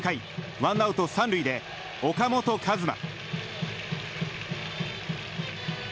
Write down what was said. ワンアウト３塁で岡本和真。